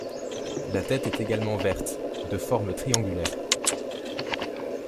La tête est égalemente verte, de forme triangulaire.